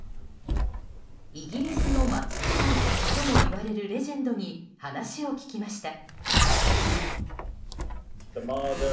イギリスの松木さんともいわれるレジェンドに話を聞きました。